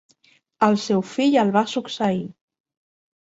El seu fill el va succeir.